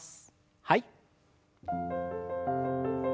はい。